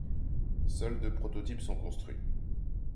Seuls deux prototypes sont construits.